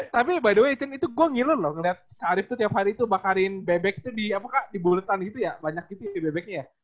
tapi by the way itu gue ngilur loh ngeliat kak arief itu tiap hari bakarin bebek itu di apa kak di buletan gitu ya banyak gitu ya bebeknya